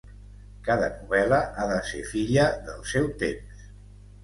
Cada novel·la ha de ser filla del seu temps!